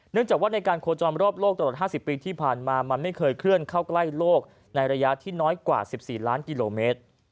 จากว่าในการโคจรรอบโลกตลอด๕๐ปีที่ผ่านมามันไม่เคยเคลื่อนเข้าใกล้โลกในระยะที่น้อยกว่า๑๔ล้านกิโลเมตร